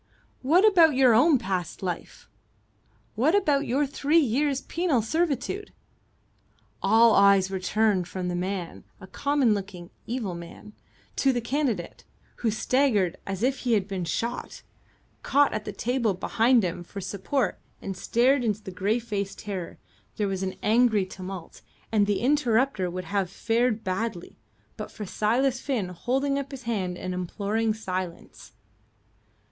"What about your own past life? What about your three years' penal servitude?" All eyes were turned from the man a common looking, evil man to the candidate, who staggered as if he had been shot, caught at the table behind him for support and stared in greyfaced terror. There was an angry tumult, and the interrupter would have fared badly, but for Silas Finn holding up his hand and imploring silence.